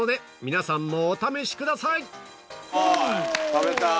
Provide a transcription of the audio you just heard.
食べたい！